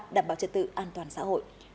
đảm bảo trật tự an toàn xã hội